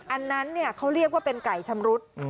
อันนั้นเขาเรียกว่าเป็นไก่ชำรุด